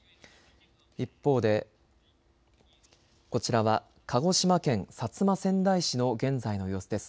一方でこちらは鹿児島県薩摩川内市の現在の様子です。